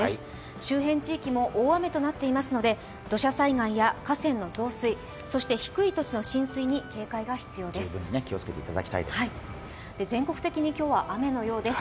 周辺地域も大雨となっていますので、土砂災害や河川の増水、そして低い土地の浸水に警戒が必要です。